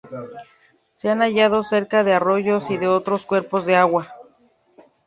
Se han hallado cerca de arroyos y de otros cuerpos de agua.